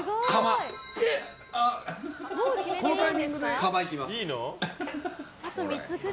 かま、いきます。